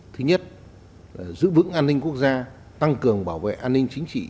thứ nhất giữ vững an ninh quốc gia tăng cường bảo vệ an ninh chính trị